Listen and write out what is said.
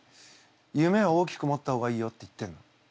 夢を大きく持った方がいいよって言ってんの。